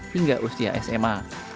hingga usia sma